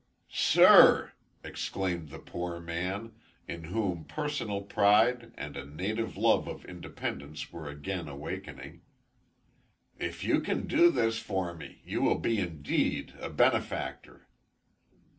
"Sir!" exclaimed the poor man, in whom personal pride and a native love of independence were again awakening, "if you can do this for me, you will be indeed a benefactor."